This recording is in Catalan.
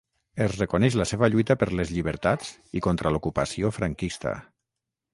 Es reconeix la seva lluita per les llibertats i contra l'ocupació franquista.